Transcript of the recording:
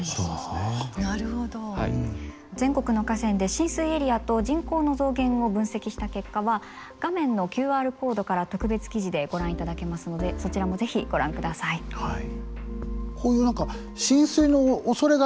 全国の河川で浸水エリアと人口の増減を分析した結果は画面のＱＲコードから特別記事でご覧いただけますのでそちらも是非ご覧ください。